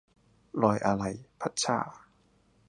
รอยอาลัย - พัดชา